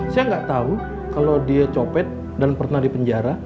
saya gak tahu kalau dia copet dan pernah di penjara